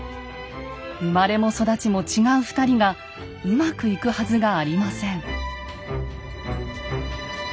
生まれも育ちも違う２人がうまくいくはずがありません。